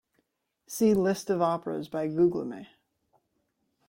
See List of operas by Guglielmi.